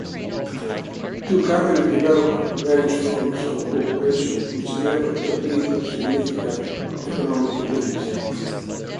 Two countries developed various forms of cooperation which never turned into significant economic links.